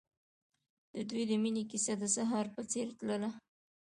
د دوی د مینې کیسه د سهار په څېر تلله.